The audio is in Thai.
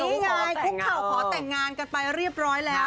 นี่ไงคุกเข่าขอแต่งงานกันไปเรียบร้อยแล้ว